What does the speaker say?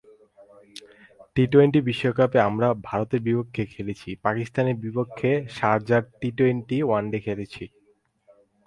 T twenty বিশ্বকাপে আমরা ভারতের বিপক্ষে খেলেছি, পাকিস্তানের বিপক্ষে শারজায় টি-টোয়েন্টি, ওয়ানডে খেলেছি।